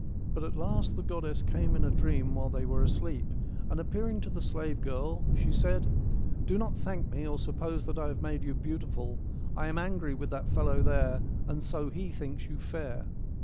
But at last the goddess came in a dream while they were asleep, and appearing to the slave girl, she said, ' Do not thank me, or suppose that I have made you beautiful : I am angry with that fellow there, and so he thinks you fair.'